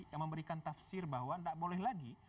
yang memberikan tafsir bahwa tidak boleh lagi